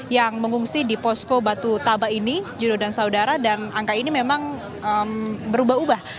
yang mengungsi di posko batu taba ini judo dan saudara dan angka ini memang berubah ubah